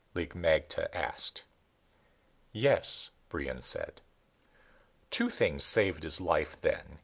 Lig magte asked. "Yes," Brion said. Two things saved his life then.